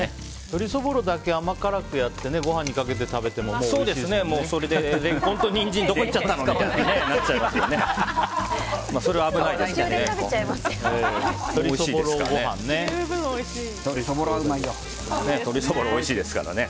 鶏そぼろだけ甘辛くやってご飯にかけてもおいしいですよね。